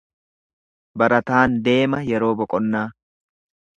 Barataan deema yeroo boqonnaa.